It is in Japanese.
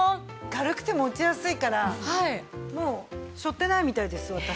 軽くて持ちやすいからもうしょってないみたいです私。